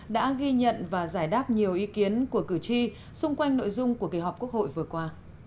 đã ghi nhận và giải đáp nhiều ý kiến của cử tri xung quanh nội dung của kỳ họp quốc hội vừa qua